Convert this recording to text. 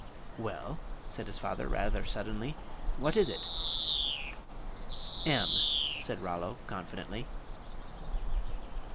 "Well," said his father, rather suddenly, "what is it?" "M," said Rollo, confidently.